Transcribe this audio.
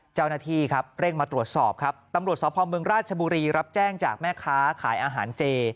เจ้าหน้าที่ครับเร่งมาตรวจสอบครับตำรวจสพเมืองราชบุรีรับแจ้งจากแม่ค้าขายอาหารเจ